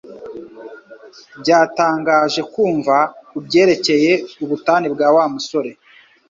Byatangaje kumva kubyerekeye ubutane bwa Wa musore